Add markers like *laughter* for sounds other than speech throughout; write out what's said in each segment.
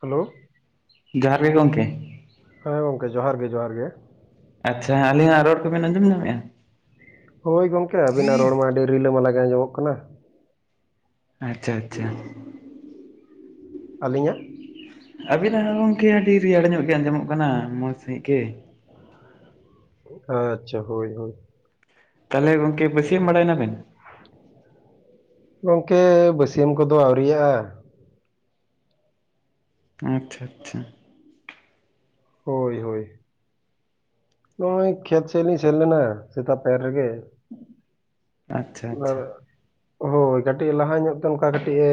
Hello ᱡᱚᱦᱟᱨ ᱜᱮ ᱜᱚᱝᱠᱮ ᱦᱮᱸ ᱜᱚᱝᱠᱮ ᱡᱚᱦᱟᱨ ᱜᱮ ᱡᱚᱦᱟᱨ ᱜᱮ ᱟᱪᱪᱷᱟ ᱟᱹᱞᱤᱧᱟᱜ ᱨᱚᱲ ᱠᱚᱵᱮᱱ ᱟᱸᱡᱚᱢ ᱧᱟᱢᱮᱜᱼᱟ ᱦᱳᱭ ᱜᱚᱝᱠᱮ ᱟᱵᱤᱱᱟᱜ ᱨᱚᱲ ᱢᱟ ᱟᱹᱰᱤ ᱨᱤᱞᱟᱹᱢᱟᱞᱟ ᱜᱮ ᱟᱸᱡᱚᱢᱚᱜ ᱠᱟᱱᱟ ᱟᱪᱪᱷᱟ ᱟᱪᱪᱷᱟ ᱟᱹᱞᱤᱧᱟᱜ ᱟᱹᱵᱤᱱᱟᱜ ᱜᱚᱝᱠᱮ ᱟᱹᱰᱤ ᱨᱮᱭᱟᱲ ᱧᱚᱜ ᱜᱮ ᱟᱸᱡᱚᱢᱚᱜ ᱠᱟᱱᱟ ᱢᱚᱸᱡᱽ ᱥᱟᱹᱦᱤᱡ ᱜᱮ ᱟᱪᱪᱷᱟ ᱦᱳᱭ ᱦᱳᱭ ᱛᱟᱞᱦᱮ ᱜᱚᱝᱠᱮ ᱵᱟᱥᱹᱭᱟᱢ ᱵᱟᱲᱟᱭ ᱱᱟ ᱵᱮᱱ? ᱜᱚᱝᱠᱮ ᱵᱟᱹᱥᱭᱟᱹᱢ ᱠᱚᱫᱚ ᱟᱹᱣᱨᱤᱭᱟᱜᱼᱟ᱾ ᱟᱪᱪᱷᱟ ᱟᱪᱪᱷᱟ᱾ ᱦᱳᱭ ᱦᱳᱭ᱾ ᱱᱚᱜᱼᱚᱭ ᱠᱷᱮᱛ ᱥᱮᱫ ᱞᱤᱧ ᱥᱮᱱ ᱞᱮᱱᱟ ᱥᱮᱛᱟᱜ ᱯᱟᱭᱟᱨ ᱨᱮᱜᱮ᱾ ᱟᱪᱪᱷᱟ ᱟᱪᱪᱷᱟ ᱦᱳᱭ ᱠᱟᱹᱴᱤᱡ ᱞᱟᱦᱟ ᱧᱚᱜ ᱛᱮ ᱚᱱᱠᱟ ᱠᱟᱹᱴᱤᱡ ᱮ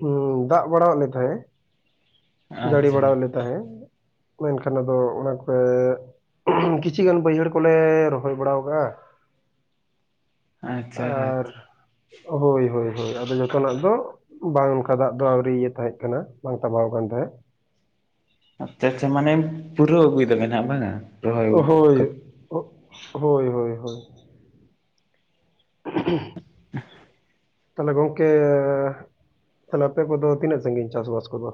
ᱦᱩᱸ ᱫᱟᱜ ᱵᱟᱲᱟ ᱟᱫ ᱞᱮ ᱛᱟᱦᱮᱸᱜ, ᱡᱟᱹᱲᱤ ᱟᱪᱪᱷᱟ ᱵᱟᱲᱟ ᱮᱫ ᱞᱮ ᱛᱟᱦᱮᱸᱫ᱾ ᱢᱮᱱᱠᱷᱟᱱ ᱟᱫᱚ ᱚᱱᱟ ᱠᱚᱨᱮ ᱠᱤᱪᱷᱤ ᱜᱟᱱ ᱵᱟᱹᱭᱦᱟᱹᱲ ᱠᱚᱞᱮ ᱨᱚᱦᱚᱭ ᱵᱟᱲᱟᱣ ᱠᱟᱜᱼᱟ᱾ ᱟᱪᱪᱷᱟ ᱟᱨ ᱟᱪᱪᱷᱟ ᱦᱳᱭ ᱦᱳᱭ ᱦᱳᱭ ᱟᱫᱚ ᱡᱚᱛᱚᱱᱟᱜ ᱫᱚ, ᱵᱟᱝ ᱚᱱᱠᱟ ᱫᱟᱜ ᱫᱚ ᱟᱹᱣᱨᱤ ᱤᱭᱟᱹ ᱛᱟᱦᱮᱸ ᱠᱟᱱᱟ ᱵᱟᱝ ᱛᱟᱵᱟᱣ ᱠᱟᱱ ᱛᱟᱦᱮᱸᱫ᱾ ᱟᱪᱪᱷᱟ ᱟᱪᱪᱷᱟ ᱢᱟᱱᱮ ᱯᱩᱨᱟᱹᱣ ᱟᱹᱜᱩᱭ ᱫᱟᱵᱮᱱ ᱦᱟᱜ ᱵᱟᱝᱼᱟ? ᱦᱳᱭ ᱦᱳᱭ ᱦᱳᱭ ᱦᱳᱭ᱾ *unintelligible* *unintelligible* ᱛᱟᱦᱞᱮ ᱜᱚᱝᱠᱮ ᱛᱟᱞᱦᱮ ᱟᱯᱮ ᱠᱚᱫᱚ ᱛᱤᱱᱟᱹᱜ ᱥᱟᱺᱜᱤᱧ ᱪᱟᱥᱵᱟᱥ ᱠᱚᱫᱚ?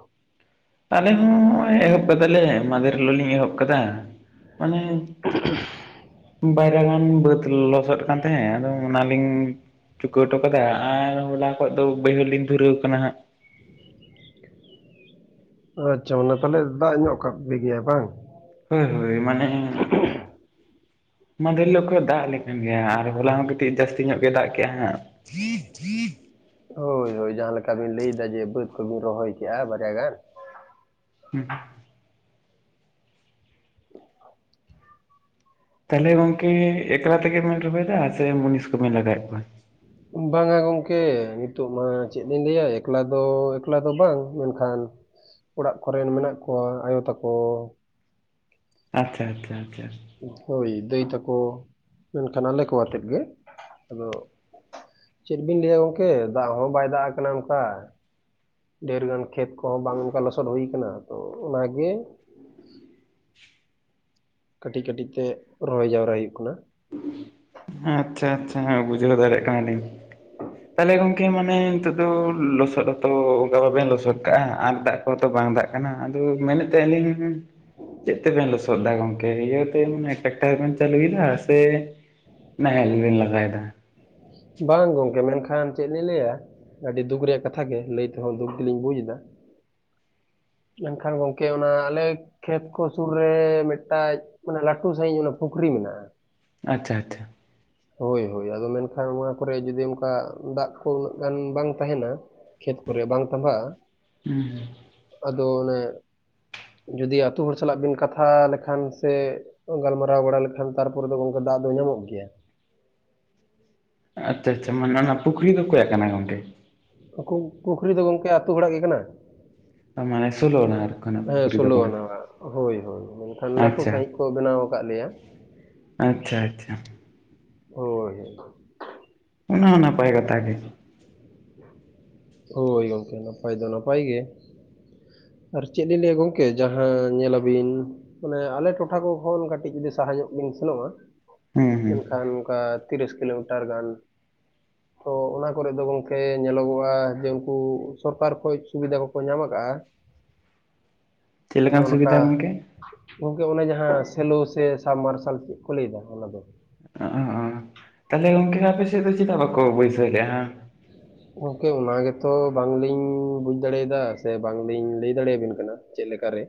ᱟᱞᱮ ᱦᱚᱸ ᱦᱚᱸᱜᱼᱚᱭ ᱮᱦᱚᱵ ᱠᱟᱫᱟᱞᱮ ᱢᱟᱸᱫᱷᱮᱨ ᱦᱤᱞᱳᱜ ᱞᱤᱧ ᱮᱦᱚᱵ ᱟᱠᱟᱫᱟ᱾ ᱢᱟᱱᱮ ᱵᱟᱭᱨᱟ ᱜᱟᱱ ᱵᱟᱹᱫᱽ ᱞᱚᱥᱚᱫ ᱠᱟᱱ ᱛᱟᱦᱮᱸᱫ ᱟᱫᱚ ᱚᱱᱟᱞᱤᱧ ᱪᱩᱠᱟᱹᱣ ᱴᱚ ᱠᱟᱫᱟ, ᱟᱨ ᱦᱚᱞᱟ ᱠᱷᱚᱡ ᱫᱚ ᱵᱟᱹᱭᱦᱟᱹᱲ ᱞᱤᱧ ᱫᱷᱩᱨᱟᱹᱣ ᱟᱠᱟᱱᱟ ᱦᱟᱸᱜ᱾ ᱟᱪᱪᱷᱟ ᱢᱟᱱᱮ ᱛᱟᱞᱦᱮ ᱫᱟᱜ ᱧᱚᱜ ᱠᱟᱜ ᱯᱮᱜᱮᱭᱟᱭ ᱵᱟᱝ? ᱦᱳᱭ ᱦᱳᱭ ᱢᱟᱱᱮ ᱢᱟᱸᱫᱷᱮᱨ ᱦᱤᱞᱚᱜ ᱠᱷᱚᱡ ᱫᱟᱜ ᱞᱮ ᱠᱟᱱ ᱜᱮᱭᱟ ᱟᱨ ᱦᱚᱞᱟ ᱦᱚᱸ ᱡᱟᱹᱥᱛᱤ ᱧᱚᱜ ᱜᱮ ᱫᱟᱜ ᱠᱮᱜᱼᱟ ᱦᱟᱸᱜ᱾ ᱦᱳᱭ ᱦᱳᱭ ᱡᱟᱦᱟᱸ ᱞᱮᱠᱟ ᱵᱤᱱ ᱞᱟᱹᱭᱮᱫᱟ ᱡᱮ ᱵᱟᱹᱫᱽ ᱠᱚᱵᱤᱱ ᱨᱚᱦᱚᱭ ᱠᱮᱜᱼᱟ ᱵᱟᱨᱭᱟ ᱜᱟᱱ᱾ ᱦᱮᱸ᱾ ᱛᱟᱦᱚᱞᱮ ᱜᱚᱝᱠᱮ ᱮᱠᱞᱟ ᱛᱮᱜᱮ ᱵᱮᱱ ᱨᱚᱦᱚᱭᱮᱫᱟ ᱥᱮ ᱢᱩᱱᱤᱥ ᱠᱚᱵᱮᱱ ᱞᱟᱜᱟᱣᱮᱫ ᱠᱚᱣᱟ? ᱵᱟᱝᱟ ᱜᱚᱢᱠᱮ ᱱᱤᱛᱚᱜ ᱢᱟ ᱪᱮᱫ ᱞᱤᱧ ᱞᱟᱹᱭᱟ ᱮᱠᱞᱟ ᱫᱚ ᱮᱠᱞᱟ ᱫᱚ ᱵᱟᱝ ᱢᱮᱱᱠᱷᱟᱱ ᱚᱲᱟᱜ ᱠᱚᱨᱮᱱ ᱢᱮᱱᱟᱜ ᱠᱚᱣᱟ ᱟᱭᱳ ᱛᱟᱠᱚ᱾ ᱟᱪᱪᱷᱟ ᱟᱪᱪᱷᱟ ᱟᱪᱪᱷᱟ᱾ ᱦᱳᱭ ᱫᱟᱹᱭ ᱛᱟᱠᱚ, ᱢᱮᱱᱠᱷᱟᱱ ᱟᱞᱮ ᱠᱚ ᱟᱛᱮᱜ ᱜᱮ᱾ ᱟᱫᱚ ᱪᱮᱫ ᱵᱤᱱ ᱞᱟᱹᱭᱟ ᱜᱚᱝᱠᱮ ᱫᱟᱜ ᱦᱚᱸ ᱵᱟᱭ ᱫᱟᱜ ᱟᱠᱟᱱᱟ ᱚᱱᱠᱟ᱾ ᱰᱷᱮᱨ ᱜᱟᱱ ᱠᱷᱮᱛ ᱠᱚᱦᱚᱸ ᱵᱟᱝ ᱚᱱᱠᱟ ᱞᱚᱥᱚᱫ ᱦᱩᱭ ᱠᱟᱱᱟ ᱛᱚ ᱚᱱᱟᱜᱮ *inaudible* ᱠᱟᱹᱴᱤᱡ ᱠᱟᱹᱴᱤᱡ ᱛᱮ ᱨᱚᱦᱚᱭ ᱡᱟᱣᱨᱟ ᱦᱩᱭᱩᱜ ᱠᱟᱱᱟ᱾ ᱟᱪᱪᱷᱟ ᱟᱪᱪᱷᱟ ᱵᱩᱡᱷᱟᱹᱣ ᱫᱟᱲᱮᱭᱟᱜ ᱠᱟᱱᱟᱞᱤᱧ᱾ ᱛᱟᱦᱚᱞᱮ ᱜᱚᱝᱠᱮ ᱢᱟᱱᱮ ᱱᱤᱛᱚᱜ ᱫᱚ ᱞᱚᱥᱚᱫ ᱦᱚ ᱛᱚ ᱚᱱᱠᱟ ᱵᱟᱵᱮᱱ ᱞᱚᱥᱚᱫ ᱠᱟᱜᱼᱟ᱾ ᱟᱨ ᱫᱟᱜ ᱦᱚᱛᱚ ᱵᱟᱝ ᱫᱟᱜ ᱠᱟᱱᱟ ᱟᱫᱚ ᱢᱮᱱᱮᱫ ᱛᱟᱦᱮᱸᱞᱤᱧ, ᱪᱮᱫ ᱛᱮᱵᱮᱱ ᱞᱚᱥᱚᱫ ᱫᱟ ᱜᱚᱢᱠᱮ ᱤᱭᱟᱹ ᱛᱮ ᱢᱟᱱᱮ ᱴᱮᱠᱴᱟᱨ ᱵᱮᱱ ᱪᱟᱹᱞᱩᱭ ᱫᱟ, ᱥᱮ ᱱᱟᱦᱮᱞ ᱵᱮᱱ ᱞᱟᱜᱟᱭ ᱫᱟ? ᱵᱟᱝ ᱜᱚᱢᱠᱮ ᱢᱮᱱᱠᱷᱟᱱ ᱪᱮᱫ ᱞᱤᱧ ᱞᱟᱹᱭᱟ ᱟᱹᱰᱤ ᱫᱩᱠ ᱨᱮᱭᱟᱜ ᱠᱟᱛᱷᱟ ᱜᱮ ᱞᱟᱹᱭ ᱛᱮᱦᱚᱸ ᱫᱩᱠ ᱜᱮᱞᱤᱧ ᱵᱩᱡᱽ ᱮᱫᱟ᱾ ᱢᱮᱱᱠᱷᱟᱱ ᱜᱚᱝᱠᱮ ᱚᱱᱟ ᱟᱞᱮ, ᱠᱷᱮᱛ ᱠᱚ ᱥᱩᱨ ᱨᱮ ᱢᱤᱫᱴᱟᱡ ᱢᱟᱱᱮ ᱞᱟᱹᱴᱩ ᱥᱟᱺᱦᱤᱡ ᱚᱱᱟ ᱯᱩᱠᱷᱨᱤ ᱢᱮᱱᱟᱜᱼᱟ᱾ ᱟᱪᱪᱷᱟ ᱟᱪᱪᱷᱟ᱾ *inaudible* ᱦᱳᱭ ᱦᱳᱭ ᱟᱫᱚ ᱢᱮᱱᱠᱷᱟᱱ ᱱᱚᱣᱟ ᱠᱚᱨᱮ ᱡᱩᱫᱤ ᱚᱱᱠᱟ ᱫᱟᱜ ᱠᱚ ᱩᱱᱟᱹᱜ ᱜᱟᱱ ᱵᱟᱝ ᱛᱟᱦᱮᱱᱟ᱾ ᱠᱷᱮᱛ ᱠᱚᱨᱮ ᱵᱟᱝ ᱛᱟᱢᱵᱦᱟᱜᱼᱟ? ᱦᱮᱸ᱾ ᱟᱫᱚ ᱚᱱᱮ ᱡᱩᱫᱤ ᱟᱛᱳ ᱦᱚᱲ ᱥᱟᱞᱟᱜ ᱵᱤᱱ ᱠᱟᱛᱷᱟ ᱞᱮᱠᱷᱟᱱ ᱥᱮ, ᱜᱟᱞᱢᱟᱨᱟᱣ ᱵᱟᱲᱟ ᱞᱮᱠᱷᱟᱱ ᱛᱟᱨᱯᱚᱨᱮ ᱫᱚ ᱜᱚᱢᱠᱮ ᱫᱟᱜ ᱫᱚ ᱧᱟᱢᱚᱜ ᱜᱮᱭᱟ᱾ ᱟᱪᱪᱷᱟ ᱟᱪᱪᱷᱟ, ᱢᱟᱱᱮ ᱚᱱᱟ ᱯᱩᱠᱷᱨᱤ ᱫᱚ ᱚᱠᱚᱭᱟᱜ ᱠᱟᱱᱟ ᱜᱚᱝᱠᱮ? ᱯᱩᱠᱷᱨᱤ ᱫᱚ ᱜᱚᱝᱠᱮ ᱟᱹᱛᱩ ᱦᱚᱲᱟᱜ ᱜᱮ ᱠᱟᱱᱟ᱾ ᱢᱟᱱᱮ ᱥᱳᱞᱳ ᱟᱱᱟᱨ ᱠᱷᱚᱱᱟᱜ ᱦᱮᱸ ᱯᱩᱠᱷᱨᱤ ᱫᱚ ᱠᱟᱱᱟ ᱥᱳᱞᱳᱣᱟᱱᱟᱣᱟᱜ ᱦᱳᱭ ᱦᱳᱭ ᱢᱮᱱᱠᱷᱟᱱ ᱞᱟᱹᱴᱩ ᱟᱪᱪᱷᱟ ᱥᱟᱦᱤᱡ᱾ ᱠᱚ ᱵᱮᱱᱟᱣ ᱟᱠᱟᱫ ᱞᱮᱭᱟ᱾ ᱟᱪᱪᱷᱟ ᱟᱪᱪᱷᱟ *unintelligible* ᱚᱱᱟ ᱦᱚ ᱱᱟᱯᱟᱭ ᱠᱚᱛᱷᱟ ᱜᱮ ᱦᱚᱭ ᱜᱟᱝᱠᱮ ᱱᱟᱯᱟᱭ ᱫᱚ ᱱᱟᱯᱟᱭ ᱜᱮ ᱟᱨ ᱪᱮᱫ ᱞᱤᱧ ᱞᱟᱹᱭᱟ ᱜᱚᱝᱠᱮ ᱡᱟᱦᱟᱸ ᱧᱮᱞᱟᱵᱤᱱ ᱢᱟᱱᱮ ᱟᱞᱮ ᱴᱚᱴᱷᱟ ᱠᱚ ᱠᱷᱚᱱ ᱠᱟᱹᱴᱤᱡ ᱡᱩᱫᱤ ᱥᱟᱦᱟ ᱧᱚᱜ ᱵᱤᱱ ᱥᱮᱱᱚᱜ-ᱟ ᱦᱩᱸ ᱦᱩᱸ ᱢᱮᱱᱠᱷᱟᱱ ᱚᱱᱠᱟ ᱛᱤᱨᱤᱥ ᱠᱤᱞᱳᱢᱤᱴᱟᱨ ᱜᱟᱱ ᱛᱚ ᱚᱱᱟ ᱠᱚᱨᱮ ᱫᱚ ᱜᱚᱢᱠᱮ ᱧᱮᱞᱚᱜᱚᱜ-ᱟ ᱡᱮ ᱩᱱᱠᱩ ᱥᱚᱨᱠᱟᱨ ᱠᱷᱚᱡ ᱥᱩᱵᱤᱫᱟ ᱠᱚᱠᱚ ᱧᱟᱢ ᱟᱠᱟᱜ-ᱟ ᱪᱮᱫ ᱟᱫᱚ ᱞᱮᱠᱟᱱ ᱚᱱᱠᱟ ᱥᱩᱵᱤᱫᱷᱟ ᱜᱚᱝᱠᱮ? ᱜᱚᱝᱠᱮ ᱚᱱᱮ ᱡᱟᱸᱦᱟ ᱥᱮᱞᱚ ᱥᱮ ᱥᱟᱢ ᱢᱟᱨᱥᱟᱞ ᱪᱮᱫ ᱠᱚ ᱞᱟᱹᱭᱮᱫᱟ ᱚᱱᱟ ᱫᱚ *unintelligible* ᱛᱟᱦᱚᱞᱮ ᱜᱚᱝᱠᱮ ᱟᱯᱮ ᱥᱮᱫ ᱫᱚ ᱪᱮᱫᱟᱜ ᱵᱟᱠᱚ ᱵᱟᱹᱭᱥᱟᱹᱣ ᱞᱮᱫ-ᱟ ᱦᱟ ᱜᱚᱝᱠᱮ ᱚᱱᱟ ᱜᱮᱛᱚ ᱵᱟᱝᱞᱤᱧ ᱵᱩᱡ ᱫᱟᱲᱮᱭᱟᱫᱟ᱾ ᱥᱮ ᱵᱟᱝᱞᱤᱧ ᱞᱟᱹᱭ ᱫᱟᱲᱮᱭ ᱟᱵᱤᱱ ᱠᱟᱱᱟ᱾ ᱪᱮᱫ ᱞᱮᱠᱟ ᱨᱮ,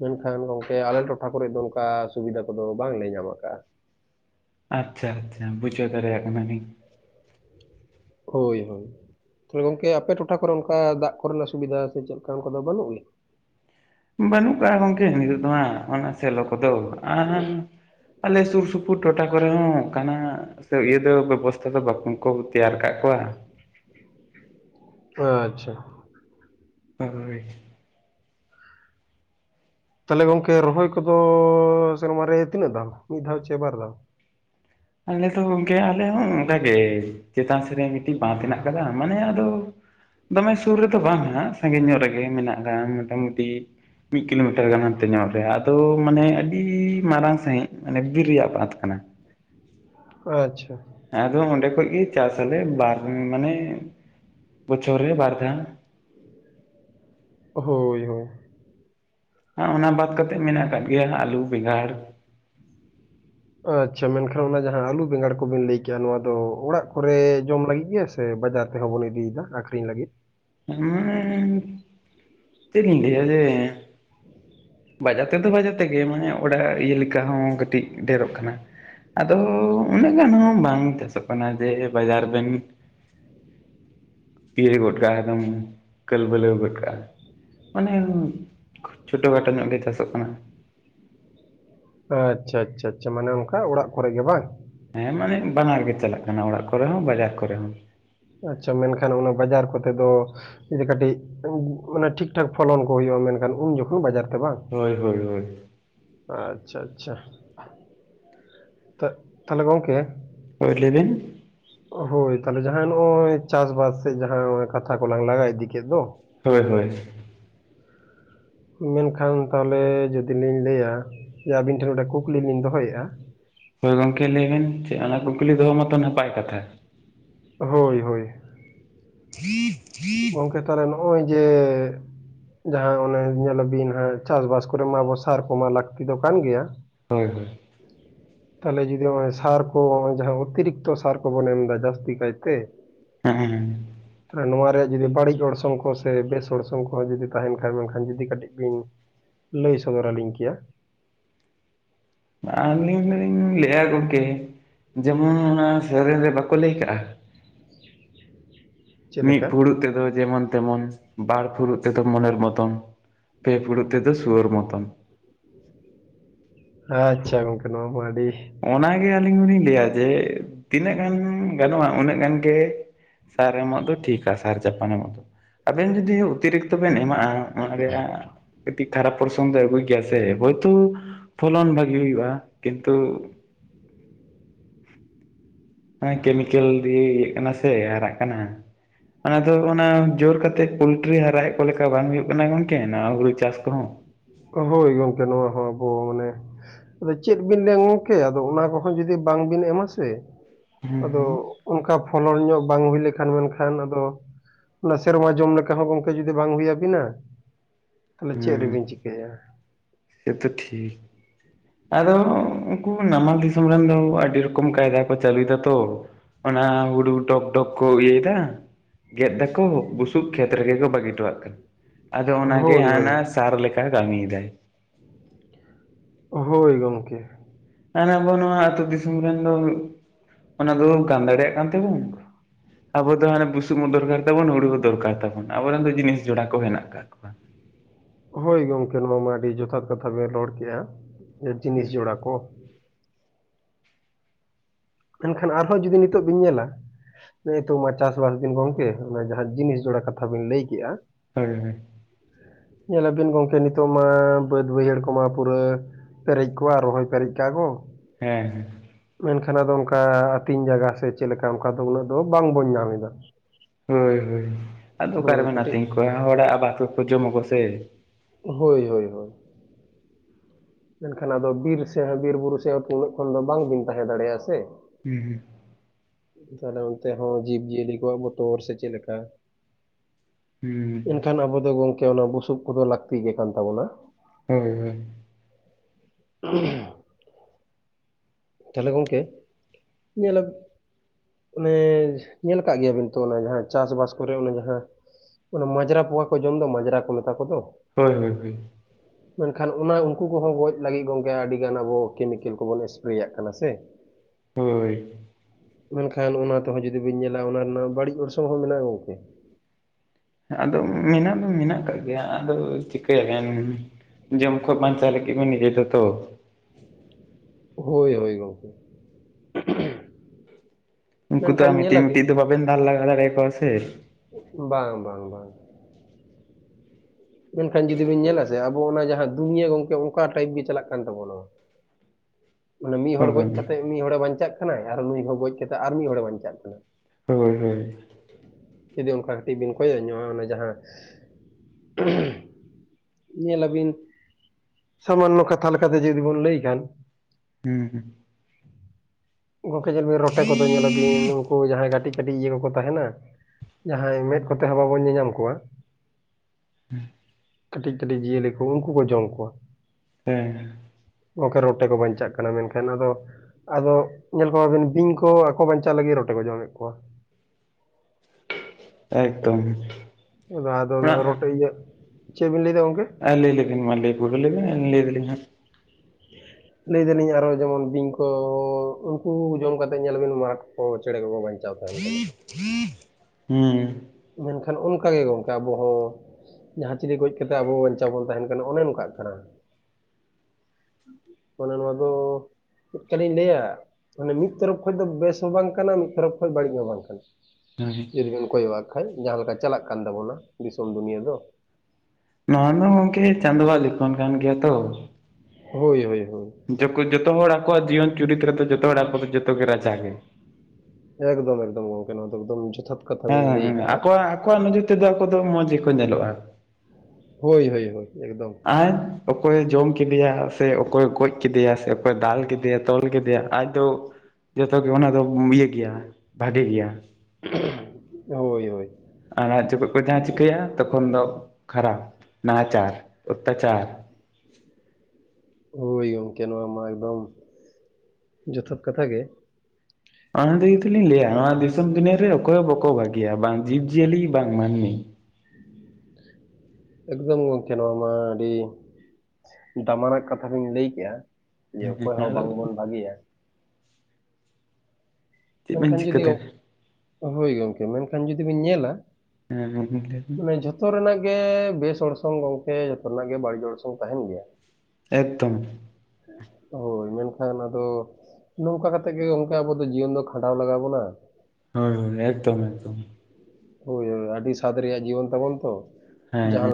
ᱢᱮᱱᱠᱷᱟᱱ ᱜᱚᱝᱠᱮ ᱟᱞᱮ ᱴᱚᱴᱷᱟ ᱠᱚᱨᱮ ᱫᱚ ᱚᱱᱠᱟ ᱥᱩᱵᱤᱫᱟ ᱠᱚᱫᱚ ᱵᱟᱝᱞᱮ ᱧᱟᱢ ᱠᱟᱜ-ᱟ ᱟᱪᱪᱷᱟ ᱟᱪᱪᱷᱟ ᱵᱩᱡᱷᱟᱹᱣ ᱫᱟᱲᱮᱭᱟᱜ ᱠᱟᱱᱟᱞᱤᱧ ᱦᱳᱭ ᱦᱳᱭ ᱛᱟᱦᱚᱞᱮ ᱜᱚᱝᱠᱮ ᱟᱯᱮ ᱴᱚᱴᱷᱟ ᱠᱚᱨᱮ ᱚᱱᱠᱟ ᱫᱟᱜ ᱠᱚᱨᱮᱱᱟᱜ ᱥᱩᱵᱤᱫᱟ ᱥᱮ ᱪᱮᱫ ᱞᱮᱠᱟ ᱚᱝᱠᱟ ᱠᱚᱫᱚ ᱵᱟᱹᱱᱩᱜ ᱟᱹᱱᱤᱡ *unintelligible* ᱵᱟᱹᱱᱩᱜ ᱠᱟᱜ-ᱟ ᱜᱚᱢᱠᱮ ᱱᱤᱛᱚᱜ ᱫᱚ ᱦᱟᱜ ᱚᱱᱟ ᱥᱮᱞᱚ ᱠᱚᱫᱚ *unintelligible* ᱟᱞᱮ ᱥᱩᱨ ᱥᱩᱯᱩᱨ ᱴᱚᱴᱷᱟ ᱠᱚᱨᱮ ᱦᱚᱸ ᱚᱝᱠᱟᱱᱟᱜ ᱥᱮ ᱤᱭᱟᱹ ᱫᱚ ᱵᱮᱵᱚᱥᱛᱷᱟ ᱫᱚ *unintelligible* ᱠᱚ ᱛᱮᱭᱟᱨ ᱟᱠᱟᱜ ᱠᱚᱣᱟ ᱟᱪᱪᱷᱟ ᱦᱳᱭ ᱛᱟᱦᱚᱞᱮ ᱜᱚᱢᱠᱮ ᱨᱚᱦᱚᱭ ᱠᱚᱫᱚ ᱥᱮᱨᱢᱟ ᱨᱮ ᱛᱤᱱᱟᱹᱜ ᱫᱷᱟᱣ ᱢᱤᱫ ᱫᱷᱟᱣ ᱪᱮ ᱵᱟᱨ ᱫᱷᱟᱣ ᱟᱞᱮ ᱫᱚ ᱜᱚᱝᱠᱮ ᱟᱞᱮ ᱦᱚᱸ ᱚᱱᱠᱟᱜᱮ ᱪᱮᱛᱟᱱ ᱥᱮᱨᱮ ᱢᱤᱫᱴᱤᱡ ᱵᱟᱸᱫᱷ ᱢᱮᱱᱟᱜ ᱛᱟᱞᱮᱭᱟ ᱢᱟᱱᱮ ᱟᱫᱚ ᱫᱚᱢᱮ ᱥᱩᱨ ᱨᱮᱫᱚ ᱵᱟᱝ ᱦᱟᱸᱜ ᱥᱟᱸᱜᱤᱧ ᱧᱚᱜ ᱨᱮᱜᱮ ᱢᱮᱱᱟᱜ-ᱟ ᱠᱟᱜ ᱢᱚᱴᱟᱢᱩᱴᱤ ᱢᱤᱫ ᱠᱤᱞᱳᱢᱤᱴᱟᱨ ᱜᱟᱱ ᱦᱟᱱᱛᱮ ᱧᱚᱜ ᱨᱮ ᱟᱫᱚ ᱢᱟᱱᱮ ᱟᱹᱰᱤ ᱢᱟᱨᱟᱝ ᱥᱟᱹᱦᱤᱡ ᱢᱟᱱᱮ ᱵᱤᱨ ᱨᱮᱭᱟᱜ ᱵᱟᱛᱷ ᱠᱟᱱᱟ ᱟᱪᱪᱷᱟ ᱟᱫᱚ ᱚᱸᱰᱮ ᱠᱷᱚᱡ ᱜᱮ ᱪᱟᱥ ᱟᱞᱮ ᱵᱟᱨ ᱢᱟᱱᱮ ᱵᱚᱪᱷᱚᱨ ᱨᱮ ᱵᱟᱨ ᱫᱷᱟᱣ ᱦᱳᱭ ᱦᱳᱭ ᱚᱱᱟ ᱵᱟᱫ ᱠᱟᱛᱮᱜ ᱢᱮᱱᱟᱜ ᱟᱠᱟᱜ ᱜᱮᱭᱟ ᱟᱞᱩ ᱵᱮᱸᱜᱟᱲ ᱟᱪᱪᱷᱟ ᱢᱮᱱᱠᱷᱟᱱ ᱚᱱᱟ ᱡᱟᱦᱟᱸ ᱟᱹᱞᱩ ᱵᱮᱸᱜᱟᱲ ᱠᱚᱵᱤᱱ ᱞᱟᱹᱭ ᱠᱮᱜ-ᱟ ᱱᱚᱣᱟ ᱫᱚ ᱚᱲᱟᱜ ᱠᱚᱨᱮ ᱡᱚᱢ ᱞᱟᱹᱜᱤᱫ ᱜᱮ ᱥᱮ ᱵᱟᱡᱟᱨ ᱛᱮᱦᱚᱸ ᱵᱚᱱ ᱤᱫᱤᱭᱮᱫᱟ ᱟᱠᱷᱨᱤᱧ ᱞᱟᱹᱜᱤᱫ ᱩᱢᱸᱻ ᱪᱮᱫ ᱤᱧ ᱞᱟᱹᱭ-ᱟ, ᱡᱮ ᱵᱟᱡᱟᱨ ᱛᱮᱫᱚ ᱵᱟᱡᱟᱨ ᱛᱮᱜᱮ ᱢᱟᱱᱮ ᱚᱰᱟᱜ ᱤᱭᱟᱹ ᱞᱮᱠᱟ ᱦᱚᱸ ᱠᱟᱹᱴᱤᱡ ᱰᱷᱮᱨᱚᱜ ᱠᱟᱱᱟ ᱟᱫᱚ ᱩᱱᱟᱹᱜ ᱜᱟᱱ ᱦᱚᱸ ᱵᱟᱝ ᱛᱮᱥᱚᱜ ᱠᱟᱱᱟ ᱡᱮ ᱵᱟᱡᱟᱨ ᱵᱮᱱ ᱛᱤ ᱨᱮ ᱜᱚᱴ ᱟᱠᱟᱱ ᱠᱟᱹᱞ - ᱵᱟᱹᱞ ᱜᱚᱫ ᱠᱟᱜᱼᱟ᱾ ᱢᱟᱱᱮ ᱪᱷᱳᱴᱳ ᱠᱷᱟᱴᱚ ᱧᱚᱜ ᱜᱮ ᱪᱟᱥᱚᱜ ᱠᱟᱱᱟ ᱟᱪᱪᱷᱟ ᱟᱪᱪᱷᱟ ᱪᱷᱟ, ᱢᱟᱱᱮ ᱚᱱᱠᱟ ᱚᱲᱟᱜ ᱠᱚᱨᱮᱜ ᱜᱮ ᱵᱟᱝ ᱦᱮᱸ ᱢᱟᱱᱮ ᱵᱟᱱᱟᱨ ᱜᱮ ᱪᱟᱞᱟᱜ ᱠᱟᱱᱟ ᱚᱲᱟᱜ ᱠᱚᱨᱮ ᱦᱚᱸ ᱵᱟᱡᱟᱨ ᱠᱚᱨᱮ ᱦᱚᱸ ᱟᱪᱪᱷᱟ ᱢᱮᱱᱠᱷᱟᱱ, ᱚᱱᱟ ᱵᱟᱡᱟᱨ ᱠᱚᱛᱮ ᱫᱚ᱾ ᱡ ᱠᱟᱹᱴᱤᱡ ᱢᱟᱱᱮ ᱴᱷᱤᱠ ᱴᱷᱟᱠ ᱯᱷᱚᱞᱚᱱ ᱠᱚ ᱦᱩᱭᱩᱜ-ᱟ ᱢᱮᱱᱠᱷᱟᱱ ᱩᱱ ᱡᱚᱠᱷᱚᱱ ᱵᱟᱡᱟᱨ ᱛᱮ ᱵᱟᱝ ᱦᱳᱭ ᱦᱳᱭ ᱦᱳᱭ ᱟᱪᱪᱷᱟ ᱟᱪᱪᱷᱟ, ᱛᱟᱦᱚᱞᱮ ᱜᱚᱝᱠᱮ, ᱦᱳᱭ ᱞᱟᱹᱭᱵᱤᱱ ᱦᱳᱭ ᱛᱟᱦᱚᱞᱮ ᱡᱟᱦᱟᱸ ᱱᱚᱜ-ᱚᱭ ᱪᱟᱥᱵᱟᱥ ᱥᱮ ᱡᱟᱦᱟᱸ ᱠᱟᱛᱷᱟ ᱠᱚᱞᱟᱝ ᱞᱟᱜᱟ ᱤᱫᱤ ᱠᱮᱫ ᱫᱚ ᱦᱳᱭ ᱦᱳᱭ ᱢᱮᱱᱠᱷᱟᱱ ᱛᱟᱦᱚᱞᱮ ᱡᱚᱫᱤ ᱞᱤᱧ ᱞᱟᱹᱭᱟ ᱡᱮ ᱟᱹᱵᱤᱱ ᱴᱷᱮᱱ ᱢᱤᱫᱴᱮᱱ ᱠᱩᱠᱞᱤ ᱞᱤᱧ ᱫᱚᱦᱚᱭᱮᱫ-ᱟ? ᱦᱳᱭ ᱜᱚᱝᱠᱮ ᱞᱟᱹᱭᱵᱮᱱ ᱪᱮᱫ ᱚᱱᱟ ᱠᱩᱠᱞᱤ ᱫᱚᱦᱚ ᱢᱟᱛᱚ ᱱᱟᱯᱟᱭ ᱠᱟᱛᱷᱟ ᱦᱳᱭ ᱦᱳᱭ *unintelligible* ᱜᱚᱢᱠᱮ ᱛᱟᱦᱚᱞᱮ ᱱᱚᱜ-ᱚᱭ ᱡᱮ ᱡᱟᱦᱟᱸ ᱚᱱᱮ ᱧᱮᱞ ᱟᱵᱤᱱ ᱦᱟᱜ ᱪᱟᱥᱵᱟᱥ ᱠᱚᱨᱮ ᱢᱟ ᱟᱵᱚ ᱥᱟᱨ ᱠᱚᱢᱟ ᱞᱟᱹᱠᱛᱤ ᱫᱚ ᱠᱟᱱ ᱜᱮᱭᱟ ᱦᱳᱭ ᱦᱳᱭ *unintelligible* ᱛᱟᱦᱚᱞᱮ ᱡᱩᱫᱤ ᱦᱚᱜ-ᱚᱭ ᱥᱟᱨ ᱠᱚ ᱡᱟᱦᱟᱸ ᱚᱛᱤᱨᱤᱠᱛᱚ ᱥᱟᱨ ᱠᱚᱵᱚᱱ ᱮᱢ ᱮᱢᱫᱟ ᱡᱟᱥᱛᱤ ᱠᱟᱭᱛᱮ ᱦᱮᱸᱻ ᱛᱟᱦᱮ ᱱᱚᱣᱟ ᱨᱮ, ᱡᱩᱫᱤ ᱵᱟᱹᱲᱤᱡ ᱚᱲᱥᱚᱝ ᱠᱚ ᱥᱮ ᱵᱮᱥ ᱚᱲᱥᱚᱝ ᱠᱚ ᱡᱩᱫᱤ ᱛᱟᱦᱮᱱ ᱠᱷᱟᱱ ᱢᱮᱱᱠᱷᱟᱱ ᱡᱩᱫᱤ ᱠᱟᱹᱴᱤᱡ ᱵᱤᱱ ᱞᱟᱹᱭ ᱥᱚᱫᱚᱨᱟᱞᱤᱧ ᱠᱮᱭᱟ ᱟᱹᱞᱤᱧ ᱫᱚᱞᱤᱧ ᱞᱟᱹᱭᱮᱫᱼᱟ ᱜᱚᱢᱠᱮ ᱡᱮᱢᱚᱱ ᱚᱱᱟ ᱥᱮᱨᱮᱧ ᱨᱮ ᱵᱟᱠᱚ ᱞᱟᱹᱭ ᱠᱟᱜᱼᱟ᱾ ᱪᱮᱫ ᱢᱤᱫ ᱞᱮᱠᱟ ᱯᱷᱩᱲᱩᱜ ᱛᱮᱫᱚ ᱡᱮᱢᱚᱱ ᱛᱮᱢᱚᱱ ᱵᱟᱨ ᱯᱷᱩᱲᱩᱜ ᱛᱮᱫᱚ ᱢᱚᱱᱮᱨ ᱢᱚᱛᱚᱱ ᱯᱮ ᱯᱷᱩᱲᱩᱜ ᱛᱮᱫᱚ ᱥᱩᱣᱟᱹᱨ ᱢᱚᱛᱚᱱ ᱟᱪᱪᱷᱟ ᱜᱚᱝᱠᱮ ᱱᱚᱣᱟ ᱢᱟ ᱟᱹᱰᱤ ᱚᱱᱟᱜᱮ ᱟᱹᱞᱤᱧ ᱦᱚᱸᱞᱤᱧ ᱞᱟᱹᱭᱟ ᱡᱮ ᱛᱤᱱᱟᱹᱜ ᱜᱟᱱ ᱜᱟᱱᱚᱜᱼᱟ ᱩᱱᱟᱹᱜ ᱜᱟᱱ ᱜᱮ ᱥᱟᱨ ᱮᱢᱚᱜ ᱫᱚ ᱴᱷᱤᱠᱟ ᱥᱟᱨ ᱡᱟᱯᱟᱱ ᱮᱢᱚᱜ ᱫᱚ ᱟᱵᱮᱱ ᱡᱩᱫᱤ ᱚᱛᱤᱨᱤᱠᱛᱚ ᱵᱮᱱ ᱮᱢᱟ *unintelligible* ᱠᱷᱟᱨᱟᱯ ᱯᱚᱨᱥᱚᱝ ᱫᱚᱭ ᱟᱹᱜᱩᱭ ᱜᱮᱭᱟ ᱥᱮ ᱦᱚᱭᱛᱳ ᱯᱷᱚᱞᱚᱱ ᱵᱷᱟᱹᱜᱤ ᱦᱩᱭᱩᱜᱼᱟ ᱠᱤᱱᱛᱩ ᱠᱮᱢᱤᱠᱮᱞ ᱫᱤᱭᱮ ᱤᱭᱟᱹᱜ ᱠᱟᱱᱟ ᱥᱮ ᱦᱟᱨᱟᱜ ᱠᱟᱱᱟ᱾ ᱚᱱᱟ ᱫᱚ ᱚᱱᱟ ᱡᱳᱨ ᱠᱟᱛᱮᱫ ᱯᱚᱞᱴᱨᱤ ᱦᱟᱨᱟᱭᱮᱫ ᱠᱚ ᱞᱮᱠᱟ ᱵᱟᱝ ᱦᱩᱭᱩᱜ ᱠᱟᱱᱟ ᱜᱚᱝᱠᱮ ᱱᱚᱣᱟ ᱦᱩᱲᱩ ᱪᱟᱥ ᱠᱚᱦᱚᱸ᱾ ᱦᱳᱭ ᱜᱚᱝᱠᱮ ᱱᱚᱣᱟ ᱦᱚᱸ ᱟᱵᱚ ᱢᱟᱱᱮ ᱟᱫᱚ ᱪᱮᱫ ᱵᱤᱱ ᱞᱮᱭᱟ ᱜᱚᱝᱠᱮ ᱟᱫᱚ ᱚᱱᱟ ᱠᱚᱦᱚ ᱡᱩᱫᱤ ᱵᱟᱝ ᱵᱤᱱ ᱮᱢᱟ ᱥᱮ ᱦᱩᱸ ᱟᱫᱚ ᱦᱩᱸ ᱚᱱᱠᱟ ᱯᱷᱚᱞᱚᱱ ᱧᱚᱜ ᱵᱟᱝ ᱦᱩᱭ ᱞᱮᱠᱷᱟᱱ ᱢᱮᱱᱠᱷᱟᱱ ᱟᱫᱚ ᱚᱱᱟ ᱥᱮᱨᱢᱟ ᱡᱚᱢ ᱞᱮᱠᱟ ᱦᱚᱸ ᱜᱚᱝᱠᱮ ᱡᱩᱫᱤ ᱵᱟᱝ ᱦᱩᱭᱩ ᱟᱵᱤᱱᱟ ᱛᱟᱦᱚᱞᱮ ᱪᱮᱫ ᱨᱮᱵᱤᱱ ᱪᱤᱠ *unintelligible* ᱥᱮ ᱛᱚ ᱴᱷᱤᱠ᱾ ᱟᱫᱚ ᱩᱱᱠᱩ ᱱᱟᱢᱟᱞ ᱫᱤᱥᱚᱢ ᱨᱮᱱ ᱫᱚ ᱟᱹᱰᱤ ᱨᱚᱠᱚᱢ ᱠᱟᱭᱫᱟ ᱠᱚ ᱪᱟᱹᱞᱩᱭ ᱫᱟ ᱛᱚ ᱚᱱᱟ ᱦᱩᱲᱩ ᱰᱚᱠ ᱴᱚᱜ ᱠᱚ ᱤᱭᱟᱹᱭ ᱫᱟ ᱜᱮᱫ ᱮᱫᱟ ᱠᱚ ᱵᱩᱥᱩᱵ ᱠᱷᱮᱛ ᱨᱮᱜᱮ ᱠᱚ ᱵᱟᱹᱜᱤ ᱦᱳᱴᱚᱣᱟᱜ ᱠᱟᱱᱟ᱾ ᱟᱫᱚ ᱚᱱᱟᱜᱮ ᱦᱳᱭ ᱦᱟᱱᱟ ᱦᱳᱭ ᱥᱟᱨ ᱞᱮᱠᱟ ᱠᱟᱹᱢᱤᱭᱮᱫᱟᱭ᱾ ᱦᱳᱭ ᱜᱚᱢᱠᱮ᱾ *unintelligible* ᱟᱵᱚ ᱱᱚᱣᱟ ᱟᱹᱛᱩᱳ ᱫᱤᱥᱚᱢ ᱨᱮᱱ ᱫᱚ ᱚᱱᱟ ᱫᱚᱵᱚ ᱜᱟᱱ ᱫᱟᱲᱮᱭᱟᱜ ᱠᱟᱱ ᱛᱮᱵᱚᱱ ᱟᱵᱚ ᱫᱚ ᱦᱟᱱᱮ ᱵᱩᱥᱩᱵ ᱦᱚᱸ ᱫᱚᱨᱠᱟᱨ ᱛᱟᱵᱚᱱ ᱦᱳᱲᱩ ᱦᱚᱸ ᱫᱚᱨᱠᱟᱨ ᱛᱟᱵᱚᱱ ᱟᱵᱚᱨᱮᱱ ᱫᱚ ᱡᱤᱱᱤᱥ ᱡᱚᱲᱟ ᱠᱚ ᱦᱮᱱᱟᱜ ᱟᱠᱟᱜ ᱠᱚᱣᱟ᱾ ᱦᱳᱭ ᱜᱚᱢᱠᱮ ᱱᱚᱣᱟ ᱢᱟ ᱟᱹᱰᱤ ᱡᱚᱛᱷᱟᱛ ᱠᱟᱛᱷᱟ ᱵᱮᱱ ᱨᱚᱲ ᱠᱮᱫᱼᱟ ᱡᱤᱱᱤᱥ ᱡᱚᱲᱟ ᱠᱚ ᱢᱮᱱᱠᱷᱟᱱ ᱟᱨᱦᱚᱸ ᱡᱩᱫᱤ ᱱᱤᱛᱚᱜ ᱵᱤᱱ ᱧᱮᱞᱟ ᱱᱤᱛᱚᱜ ᱢᱟ ᱪᱟᱥᱵᱟᱥ ᱫᱤᱱ ᱜᱚᱝᱠᱮ ᱚᱱᱟ ᱡᱟᱦᱟᱸ ᱡᱤᱱᱤᱥ ᱡᱚᱲᱟ ᱠᱟᱛᱷᱟ ᱵᱤᱱ ᱞᱟᱹᱭᱠᱮᱼᱟ ᱦᱳᱭ ᱦᱳᱭ ᱧᱮᱞᱟᱵᱤᱱ ᱜᱚᱢᱠᱮ ᱱᱤᱛᱚᱜ ᱢᱟ ᱵᱟᱹᱫ ᱵᱟᱹᱭᱦᱟᱹᱲ ᱠᱚᱢᱟ ᱯᱩᱨᱟᱹ ᱯᱮᱨᱮᱡ ᱠᱚᱣᱟ ᱨᱚᱦᱚᱭ ᱯᱮᱨᱮᱡ ᱠᱟᱜᱼᱟ ᱠᱚ᱾ ᱦᱮᱸ ᱾ ᱢᱮᱱᱠᱷᱟᱱ ᱟᱫᱚ ᱚᱱᱠᱟ ᱟᱹᱛᱤᱧ ᱡᱟᱭᱜᱟ ᱥᱮ ᱪᱮᱫ ᱞᱮᱠᱟ ᱚᱱᱠᱟ ᱫᱚ ᱩᱱᱟᱹᱜ ᱫᱚ ᱵᱟᱝᱵᱚᱱ ᱧᱟᱢ ᱮᱫᱟ᱾ ᱦᱳᱭ ᱦᱳᱭ ᱟᱫᱚ ᱚᱠᱟ ᱦᱳᱭ ᱨᱮᱵᱤᱱ ᱠᱟᱹᱴᱤᱡ ᱟᱹᱛᱤᱧ ᱠᱚᱣᱟ ᱦᱚᱲᱟᱜ ᱟᱫᱟᱫᱽ ᱠᱚᱠᱚ ᱡᱚᱢᱟ ᱠᱚ ᱥᱮ᱾ ᱦᱳᱭ ᱦᱳᱭ ᱦᱳᱭ ᱢᱮᱱᱠᱷᱟᱱ ᱟᱫᱚ ᱵᱤᱨ ᱥᱮᱫ ᱵᱤᱨ ᱵᱩᱨᱩ ᱥᱮᱫ ᱦᱚᱸᱛᱚ ᱩᱱᱟᱹᱜ ᱠᱷᱚᱱ ᱫᱚ ᱵᱟᱝᱵᱤᱱ ᱛᱟᱦᱮᱸ ᱫᱟᱲᱮᱭᱟᱜᱼᱟ ᱥᱮ *unintelligible* ᱛᱟᱦᱚᱞᱮ ᱚᱱᱛᱮ ᱦᱚᱸ ᱡᱤᱵᱽ ᱡᱤᱭᱟᱹᱞᱤ ᱠᱚᱣᱟᱜ ᱵᱚᱛᱚᱨ ᱥᱮ ᱪᱮᱫ ᱞᱮᱠᱟ᱾ ᱦᱩᱸ ᱮᱱᱠᱷᱟᱱ ᱟᱵᱚ ᱫᱚ ᱜᱚᱝᱠᱮ ᱚᱱᱟ ᱵᱩᱥᱩᱵ ᱠᱚᱫᱚ ᱞᱟᱹᱠᱛᱤ ᱜᱮ ᱠᱟᱱ ᱛᱟᱵᱚᱱᱟ᱾ ᱦᱳᱭ ᱦᱳᱭ ᱾ *unintelligible* ᱛᱟᱦᱚᱞᱮ ᱜᱚᱝᱠᱮ ᱧᱮᱞᱟ *unintelligible* ᱚᱱᱮ ᱧᱮᱞ ᱟᱠᱟᱫ ᱜᱮᱭᱟᱵᱤᱱ ᱛᱚ ᱡᱟᱦᱟᱸ ᱪᱟᱥᱵᱟᱥ ᱠᱚᱨᱮ ᱚᱱᱮ ᱡᱟᱦᱟᱸ ᱚᱱᱟ ᱢᱟᱡᱽᱨᱟ ᱯᱳᱣᱟ ᱠᱚ ᱡᱚᱢ ᱫᱚ ᱢᱟᱡᱽᱨᱟ ᱠᱚ ᱢᱮᱛᱟ ᱠᱚ ᱫᱚ ᱦᱳᱭ ᱦᱳᱭ ᱦᱳᱭ᱾ ᱢᱮᱱᱠᱷᱟᱱ ᱚᱱᱟ ᱩᱱᱠᱩ ᱠᱚᱦᱚᱸ ᱜᱚᱡ ᱞᱟᱹᱜᱤᱫ ᱜᱚᱝᱠᱮ ᱟᱹᱰᱤ ᱜᱟᱱ ᱟᱵᱚ ᱠᱮᱢᱤᱠᱮᱞ ᱠᱚᱵᱚᱱ *unintelligible* ᱨᱮᱭᱟᱜ ᱠᱟᱱᱟ ᱥᱮ᱾ ᱦᱳᱭ ᱢᱮᱱᱠᱷᱟᱱ ᱚᱱᱟ ᱛᱮᱦᱚᱸ ᱡᱩᱫᱤ ᱵᱤᱱ ᱧᱮᱞᱟ ᱚᱱᱟ ᱨᱮᱱᱟᱜ ᱵᱟᱹᱲᱤᱡ ᱚᱨᱥᱚᱝ ᱦᱚᱸ ᱢᱮᱱᱟᱜᱼᱟ ᱜᱚᱝᱠᱮ᱾ ᱟᱫᱚ ᱢᱮᱱᱟᱜ ᱫᱚ ᱢᱮᱱᱟᱜ ᱠᱟᱜ ᱜᱮᱭᱟ ᱟᱫᱚ ᱪᱤᱠᱟᱹᱭᱟ ᱡᱚᱢ ᱠᱷᱚᱡ ᱵᱟᱧᱪᱟᱣ ᱞᱟᱹᱜᱤᱫ ᱡᱟ ᱱᱤᱡᱮ ᱫᱮᱛᱚ ᱦᱳᱭ ᱦᱳᱭ ᱜᱚᱝᱠᱮ *unintelligible* ᱩᱱᱠᱩ ᱛᱚ ᱟᱨ ᱢᱮᱱᱠᱷᱟᱱ ᱢᱤᱴᱤ, ᱢᱤᱴᱤ ᱧᱮᱞᱟᱵᱤᱱ ᱫᱚ ᱵᱟᱵᱮᱱ ᱫᱟᱞ ᱞᱟᱜᱟ, ᱫᱟᱲᱮᱸ ᱟᱠᱚᱣᱟ ᱥᱮ? ᱵᱟᱝ, ᱵᱟᱝ, ᱵᱟᱝ᱾ ᱢᱮᱱᱠᱷᱟᱱ ᱡᱩᱫᱤ ᱵᱤᱱ ᱧᱮᱞᱟ ᱟᱥᱮ᱾ ᱟᱵᱚ ᱚᱱᱟ ᱡᱟᱦᱟᱸ ᱫᱩᱱᱭᱤᱭ-ᱟᱹ ᱜᱚᱝᱠᱮ ᱚᱱᱠᱟ᱾ ᱴᱟᱭᱤᱯ ᱜᱮ ᱪᱟᱞᱟ-ᱜ ᱠᱟᱱ ᱛᱟᱵᱚᱱᱟ᱾ ᱚᱱᱮ ᱢᱤᱫ ᱦᱚᱲ ᱜᱚᱡ ᱠᱟᱛᱮ, ᱩᱱᱤ ᱦᱚᱲᱮ ᱵᱟᱧᱪᱟᱜ ᱠᱟᱱᱟᱭ᱾ ᱟᱨ ᱱᱩᱭ ᱦᱚᱸ ᱜᱚᱡ ᱠᱟᱛᱮ, ᱟᱨ ᱢᱤᱫ ᱦᱚᱲᱮᱸ ᱵᱟᱧᱪᱟ-ᱜ ᱠᱟᱱᱟᱭ᱾ ᱦᱳᱭ ᱦᱳᱭ ᱡᱩᱫᱤ ᱚᱱᱠᱟ ᱠᱟᱹᱴᱤᱡ ᱵᱤᱱ ᱠᱚᱭᱳᱜ ᱧᱚᱜᱼᱟ ᱚᱱᱟ ᱡᱟᱦᱟᱸ *inaudible* ᱧᱮᱞᱟᱵᱤᱱ ᱥᱟᱢᱟᱱᱱᱚ ᱠᱟᱛᱷᱟ ᱞᱮᱠᱟᱛᱮ ᱡᱩᱫᱤ ᱵᱚᱱ ᱞᱟᱹᱭ ᱠᱷᱟᱱ᱾ ᱦᱮᱸ ᱦᱩᱸ ᱜᱚᱝᱠᱮ ᱧᱮᱞ ᱵᱤᱱ ᱨᱚᱴᱮ ᱠᱚᱫᱚ ᱧᱮᱞᱞᱟᱵᱤᱱ ᱩᱱᱠᱩ ᱡᱟᱦᱟᱸᱭ ᱠᱟᱹᱴᱤᱡ ᱠᱟᱹᱴᱤᱡ ᱤᱭᱟᱹ ᱠᱚᱠᱚ ᱛᱟᱸᱦᱮᱱᱟ ᱡᱟᱦᱟᱸᱭ ᱢᱮᱫ ᱠᱚᱛᱮ ᱦᱚᱸ ᱵᱟᱵᱚᱱ ᱧᱮᱞ ᱧᱟᱢ ᱠᱚᱣᱟ *unintelligible* ᱠᱟᱹᱴᱤᱡ ᱠᱟᱹᱴᱤᱡ ᱡᱤᱭᱟᱹᱞᱤ ᱠᱚ ᱩᱱᱠᱩ ᱠᱚ ᱡᱚᱢ ᱠᱚᱣᱟ ᱦᱮᱸ ᱜᱚᱝᱠᱮ ᱨᱚᱴᱮ ᱠᱚ ᱵᱟᱧᱪᱟ-ᱜ ᱠᱟᱱᱟ᱾ ᱢᱮᱱᱠᱷᱟᱱ ᱟᱫᱚ ᱟᱫᱚ ᱧᱮᱞ ᱠᱚᱣᱟᱵᱤᱱ ᱵᱤᱧ ᱠᱚ, ᱟᱠᱚ ᱵᱟᱧᱪᱟᱣ ᱞᱟᱹᱜᱤᱫ ᱨᱚᱴᱮᱸ ᱠᱚ ᱡᱚᱢᱮᱫ ᱠᱚᱣᱟ᱾ ᱮᱫᱚᱢ᱾ ᱟᱫᱚ ᱟᱫᱚ ᱨᱚᱴᱮᱸ ᱤᱭᱟᱹ ᱪᱮᱫ ᱵᱮᱤᱱ ᱞᱟᱹᱭ ᱮᱫᱟ ᱜᱚᱝᱠᱮ ᱞᱟᱹᱭ ᱞᱮᱵᱤᱱ ᱢᱟ ᱞᱟᱹᱭ ᱯᱩᱨᱟᱹ ᱟᱹᱭᱵᱱ ᱞᱟᱹᱭ ᱫᱟᱞᱤᱧ ᱦᱟᱸᱜ *inaudible* ᱞᱟᱹᱭ ᱫᱟᱞᱤᱧ ᱟᱨᱚ ᱡᱮᱢᱚᱱ ᱵᱤᱧ ᱠᱚ ᱩᱱᱠᱩ ᱡᱚᱢ ᱠᱟᱛᱮ ᱧᱮᱞ ᱵᱤᱱ ᱢᱟᱴ ᱠᱚ ᱪᱮᱬᱮ ᱠᱚᱠᱚ ᱵᱟᱧᱪᱟᱣ ᱛᱟᱦᱮᱱ ᱠᱟᱱᱟ᱾ *inaudible* ᱦᱩᱸ ᱢᱮᱱᱠᱷᱟᱱ ᱚᱱᱠᱟᱜᱮ ᱜᱚᱢᱠᱮ ᱟᱵᱚᱦ ᱦᱚᱸ ᱡᱟᱦᱟᱸ ᱪᱤᱞᱤ ᱜᱚᱡ ᱠᱟᱛᱮ ᱟᱵᱚ ᱵᱟᱧᱪᱟᱣ ᱵᱚᱱ ᱛᱟᱦᱮᱱ ᱠᱟᱱᱟ ᱚᱱᱮ ᱱᱚᱝᱠᱟᱜ ᱠᱟᱱᱟ *inaudible* ᱚᱱᱮ ᱱᱚᱣᱟ ᱫᱚ ᱪᱮᱜᱠᱟᱞᱤᱧ ᱞᱟᱹᱭᱟ ᱢᱟᱱᱮ ᱢᱤᱫ ᱛᱚᱨᱚᱯᱷ ᱠᱷᱚᱡ ᱫᱚ ᱵᱮᱥ ᱦᱚᱸ ᱵᱟᱝ ᱠᱟᱱᱟ, ᱢᱤᱫ ᱛᱚᱨᱚᱯᱷ ᱠᱷᱚᱡ ᱵᱟᱹᱲᱤᱡ ᱦᱚᱸ ᱵᱟᱝ ᱠᱟᱱᱟ᱾ ᱡᱩᱫᱤ ᱦᱳᱭ ᱵᱮᱱ ᱠᱚᱭᱚᱜᱟᱜ ᱠᱷᱟᱡ ᱡᱟᱦᱟᱸ ᱞᱮᱠᱟ ᱪᱟᱞᱟᱜ ᱠᱟᱱ ᱛᱟᱵᱳᱱᱟ ᱫᱤᱥᱚᱢ ᱫᱩᱱᱭᱟᱹ ᱫᱚ᱾ ᱱᱚᱣᱟ ᱫᱚ ᱜᱚᱝᱠᱮ ᱪᱟᱸᱫᱳᱣᱟᱜ ᱞᱤᱠᱷᱚᱱ ᱠᱟᱱ ᱜᱮᱭᱟ ᱛᱚ᱾ ᱦᱳᱭ ᱦᱳᱭ ᱦᱳᱭ᱾ ᱡᱚᱠ ᱡᱚᱛᱚ ᱦᱚᱲ ᱟᱠᱚᱣᱟᱜ ᱡᱤᱭᱚᱱ ᱪᱩᱨᱤᱛ ᱨᱮᱫᱚ ᱡᱚᱛᱚ ᱦᱚᱲ ᱟᱠᱚ ᱫᱚ ᱡᱚᱛᱚ ᱜᱮ ᱨᱟᱡᱟ ᱜᱮ᱾ ᱮᱠᱫᱚᱢ ᱮᱠᱫᱚᱢ ᱜᱚᱝᱠᱮ ᱱᱚᱣᱟ ᱫᱚ ᱮᱫᱚᱢ ᱡᱚᱛᱷᱟᱛ ᱠᱟᱛᱷᱟ ᱦᱮᱸ ᱵᱤᱱ ᱦᱮᱸ ᱞᱟᱹᱭ ᱦᱮᱸ, ᱠᱟᱜᱼᱟ ᱟᱠᱚᱣᱟᱜ ᱟᱠᱚᱣᱟᱜ ᱱᱚᱡᱚᱨ ᱛᱮᱫᱚ ᱟᱠᱚ ᱫᱚ ᱢᱚᱡᱽ ᱜᱮᱠᱚ ᱧᱮᱞᱚᱜᱼᱟ᱾ ᱦᱳᱭ ᱦᱳᱭ ᱦᱳᱭ ᱮᱠᱫᱚᱢ ᱟᱡ ᱚᱠᱚᱭᱮ ᱡᱚᱢ ᱠᱮᱫᱮᱭᱟ, ᱥᱮ ᱚᱠᱚᱭ ᱜᱚᱡ ᱠᱮᱫᱮᱭᱟ, ᱥᱮ ᱚᱠᱚᱭ ᱫᱟᱞ ᱠᱮᱫᱮᱭᱟ ᱛᱚᱞ ᱠᱮᱫᱮᱭᱟ ᱟᱡ ᱟᱪᱼᱼ ᱫᱚ ᱡᱚᱛᱚ ᱜᱮᱵᱚᱱ ᱟᱫᱚᱵᱚ ᱤᱭᱟᱹ ᱜᱮᱭᱟ, ᱵᱷᱟᱜᱮ ᱜᱮᱭᱟ ᱾ ᱦᱳᱭ ᱦᱳᱭ᱾ ᱟᱨ ᱟᱡ ᱡᱚᱠᱷᱚᱡ ᱠᱚ ᱡᱟᱦᱟᱸ ᱪᱤᱠᱟᱹᱭᱟ ᱛᱚᱠᱷᱚᱱ ᱫᱚ ᱠᱷᱟᱨᱟᱯ, ᱱᱟᱦᱟᱪᱟᱨ, ᱚᱛᱛᱟᱪᱟᱨ, ᱦᱳᱭ ᱜᱳᱢᱠᱮ ᱱᱚᱭᱟ ᱢᱟ, ᱮᱠᱫᱚᱢ ᱡᱚᱛᱷᱟᱛ ᱠᱟᱛᱷᱟ ᱜᱮ ᱾ ᱚᱱᱟ ᱛᱮᱜᱮ ᱛᱚ ᱞᱤᱧ ᱞᱟᱹᱭᱟ ᱱᱚᱣᱟ ᱫᱤᱥᱚᱢ ᱫᱩᱱᱤᱭᱟᱹ ᱨᱮ ᱚᱠᱚᱭ ᱦᱚ ᱵᱟᱠᱚ ᱵᱷᱟᱹᱜᱤᱭᱟ ᱵᱟᱝ ᱡᱤᱵᱽᱡᱤᱭᱟᱹᱞᱤ ᱵᱟᱝ ᱢᱟᱹᱱᱢᱤ ᱾ ᱮᱠᱫᱚᱢ ᱜᱳᱢᱠᱮ ᱱᱚᱭᱟ ᱢᱟ ᱟᱹᱰᱤᱼᱼ ᱫᱟ ᱢᱟᱨᱟᱝ ᱠᱟᱛᱷᱟ ᱵᱤᱱ ᱞᱟᱹᱭ ᱠᱮᱜ-ᱟ ᱡᱮ ᱚᱠᱚᱭ ᱦᱮᱸ ᱦᱚᱸ ᱟᱫᱚ ᱵᱟᱝᱵᱚᱱ ᱵᱷᱟᱹᱜᱮᱭᱟ ᱾ ᱪᱮᱫ ᱵᱮᱱ ᱢᱮᱱᱠᱷᱟᱱ ᱪᱤᱠᱟᱹ ᱡᱩᱫᱤ *unintelligible* ᱦᱳᱭ ᱜᱚᱢᱠᱮ ᱢᱮᱱᱠᱷᱟᱱ ᱡᱩᱫᱤ ᱵᱤᱱ ᱧᱮᱞᱟᱼᱼ ᱫᱟᱲᱮᱭᱟᱜᱼᱟ ᱦᱮᱸ ᱢᱮ ᱡᱚᱛ *unintelligible* ᱡᱚᱛᱚ ᱨᱮᱱᱟᱜ ᱜᱮ ᱵᱮᱥ ᱚᱨᱥᱚᱝ ᱜᱚᱝᱠᱮ ᱡᱚᱛᱚ ᱨᱮᱱᱟᱜ ᱜᱮ ᱵᱟᱹᱲᱤᱡ ᱚᱨᱥᱚᱝ ᱛᱟᱦᱮᱱ ᱜᱮᱭᱟ᱾ ᱮᱠᱫᱚᱢ ᱦᱳᱭ ᱢᱮᱱᱠᱷᱟᱱ ᱟᱫᱚ ᱱᱚᱝᱠᱟ ᱠᱟᱛᱮ ᱜᱮ ᱚᱱᱠᱟ ᱟᱵᱚ ᱫᱚ ᱡᱤᱭᱚᱱ ᱫᱚ ᱠᱷᱼᱼ ᱠᱷᱟᱸᱰᱟᱣ ᱞᱟᱜᱟᱣ ᱵᱚᱱᱟ. ᱾ ᱦᱳᱭ ᱦᱳᱭ ᱮᱠᱫᱚᱡ ᱮᱠᱫᱚᱢ ᱦᱳᱭ ᱦᱳᱭ ᱟᱹᱰᱤ ᱥᱟᱫ ᱨᱮᱭᱟᱜ ᱡᱤᱭᱚᱱ ᱛᱟᱵᱚᱱ ᱛᱚ ᱾ ᱦᱮᱸ ᱾